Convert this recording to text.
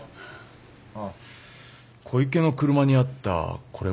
あっ小池の車にあったこれは？